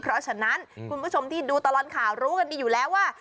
เพราะฉะนั้นคุณผู้ชมที่ดูตลอดข่าวรู้กันดีอยู่แล้วว่า